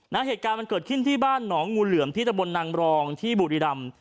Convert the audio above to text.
เหตุการณ์มันเกิดขึ้นที่บ้านหนองงูเหลือมที่ตะบนนางรองที่บุรีรำ